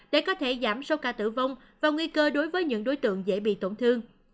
để có thể giảm số ca tử vong và nguy cơ đối với những đối tượng dễ bị tổn thương